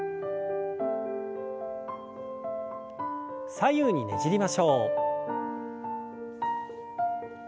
左右にねじりましょう。